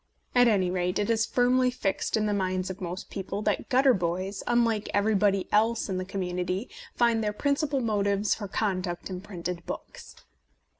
At any rate, it is firmly fixed in the minds of most people that gutter boys, unlike everybody else in the A Defence of Penny Dreadfuls community, find their principal motives for conduct in printed books.